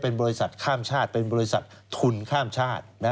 เป็นบริษัทข้ามชาติเป็นบริษัททุนข้ามชาติ